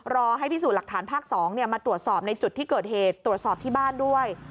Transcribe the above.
รอให้พิสูจน์หลักฐานภาค๒มาตรวจสอบในจุดที่เกิดเหตุตรวจสอบที่บ้านด้วย